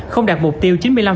không đạt mục tiêu chín mươi năm